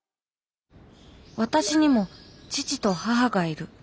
私にも父と母がいる。